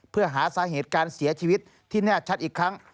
เพื่อหาสาเหตุการเสียชีวิตที่แน่ชัดอีกครั้ง